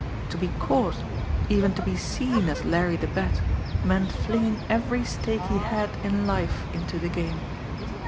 To be caught, even to be seen as Larry the Bat meant flinging every stake he had in life into the game.